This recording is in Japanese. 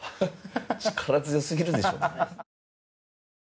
力強すぎるでしょ。